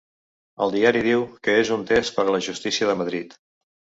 El diari diu que ‘és un test per a la justícia de Madrid’.